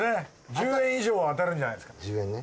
１０円以上はあたるんじゃないですか？